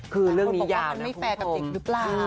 คือคนบอกว่ามันไม่แฟร์กับเด็กหรือเปล่า